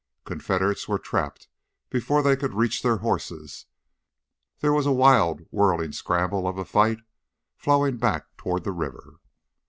Confederates were trapped before they could reach their horses; there was a wild whirling scramble of a fight flowing backward toward the river.